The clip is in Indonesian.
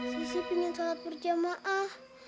sisi ingin sholat berjamaah